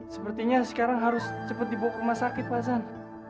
sepertinya sekarang harus cepat dibawa ke rumah sakit pak zain